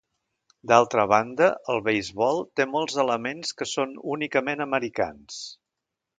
D'altra banda, el beisbol té molts elements que són únicament americans.